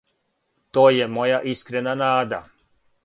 То је моја искрена нада.